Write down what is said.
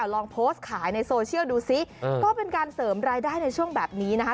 ลองโพสต์ขายในโซเชียลดูซิก็เป็นการเสริมรายได้ในช่วงแบบนี้นะคะ